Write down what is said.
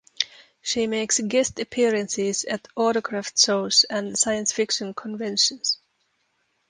She makes guest appearances at autograph shows and science-fiction conventions.